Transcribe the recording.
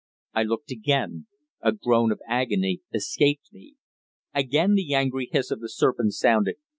I looked again. A groan of agony escaped me. Again the angry hiss of the serpent sounded.